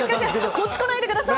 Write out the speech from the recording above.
こっち来ないでください！